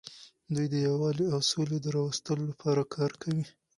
دوی د یووالي او سولې د راوستلو لپاره کار کوي.